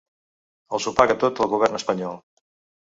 Els ho paga tot el govern espanyol.